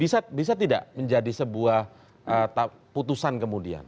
bisa tidak menjadi sebuah putusan kemudian